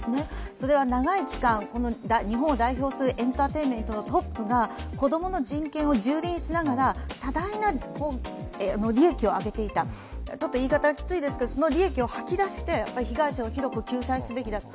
それは長い期間、日本を代表するエンターテインメントのトップが子供の人権をじゅうりんしながら多大な利益を上げていたちょっと言い方がきついですけど、その利益を吐き出しても、被害者を広く救済すべきだと。